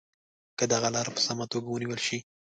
که دغه لاره په سمه توګه ونیول شي.